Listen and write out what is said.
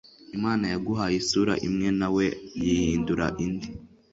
imana yaguhaye isura imwe, nawe yihindura indi